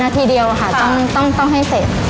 ทีเดียวค่ะต้องให้เสร็จ